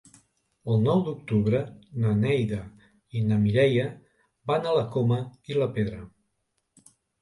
El nou d'octubre na Neida i na Mireia van a la Coma i la Pedra.